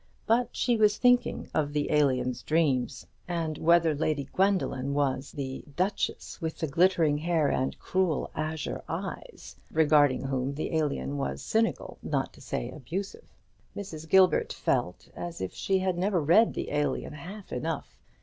But she was thinking of the Alien's dreams, and whether Lady Gwendoline was the "Duchess! with the glittering hair and cruel azure eyes," regarding whom the Alien was cynical, not to say abusive. Mrs. Gilbert felt as if she had never read the Alien half enough.